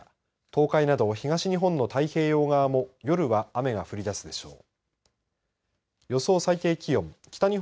東海など東日本の太平洋側も夜は雨が降り出すでしょう。